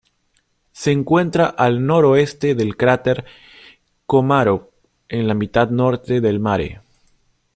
Se encuentra al noroeste del cráter Komarov, en la mitad norte del mare.